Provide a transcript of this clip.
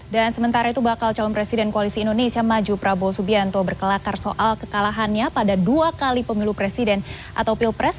dan sementara itu bakal calon presiden koalisi indonesia maju prabowo subianto berkelakar soal kekalahannya pada dua kali pemilu presiden atau pilpres